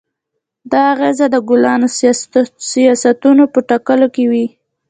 دا اغېز د کلانو سیاستونو په ټاکلو کې وي.